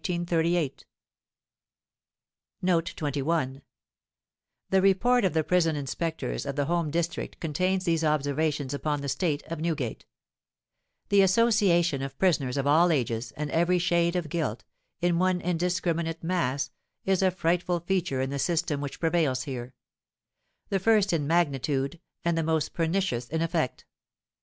Footnote 21: The Report of the Prison Inspectors of the Home District contains these observations upon the state of Newgate:—"The association of prisoners of all ages, and every shade of guilt, in one indiscriminate mass, is a frightful feature in the system which prevails here; the first in magnitude, and the most pernicious in effect.